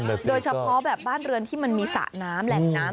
โดยเฉพาะแบบบ้านเรือนที่มันมีสระน้ำแหล่งน้ำ